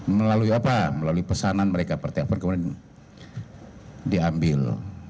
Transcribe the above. melalui apa melalui pesanan mereka pertempuran kemudian diambil